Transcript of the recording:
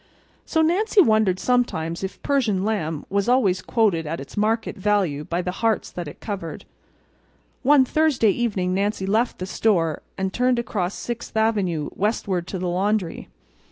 So, Nancy wondered sometimes if Persian lamb was always quoted at its market value by the hearts that it covered. One Thursday evening Nancy left the store and turned across Sixth Avenue westward to the laundry.